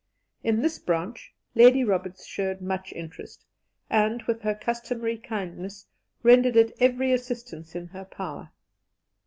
In this branch Lady Roberts showed much interest, and, with her customary kindness, rendered it every assistance in her power.